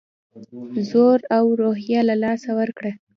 زور او روحیه له لاسه ورکړه.